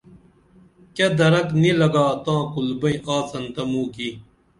کیہ درک نی لگا تاں کُل بئیں آڅن تہ موں کی